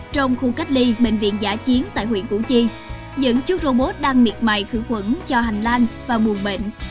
trong khu cách ly bệnh viện giả chiến tại huyện củ chi những chú robot đang miệt mài khử khuẩn cho hành lang và buồn bệnh